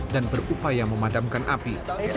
dan berupaya memadamkan api